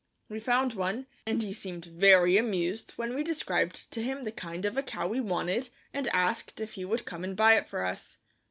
We found one and he seemed very amused when we described to him the kind of a cow we wanted, and asked if he would come and buy it for us.